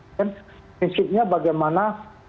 dan misalnya bagaimana